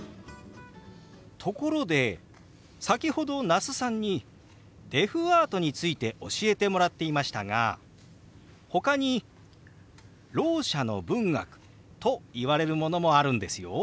ところで先ほど那須さんにデフアートについて教えてもらっていましたがほかにろう者の文学といわれるものもあるんですよ。